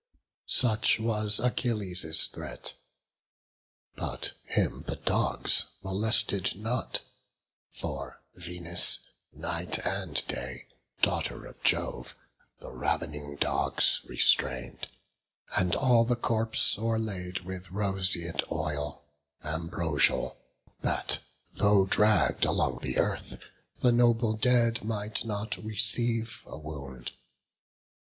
Such was Achilles' threat, but him the dogs Molested not; for Venus, night and day Daughter of Jove, the rav'ning dogs restrain'd; And all the corpse o'erlaid with roseate oil, Ambrosial, that though dragg'd along the earth, The noble dead might not receive a wound.